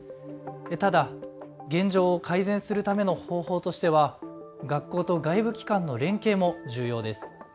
ただ現状を改善するための方法としては学校と外部機関の連携も重要です。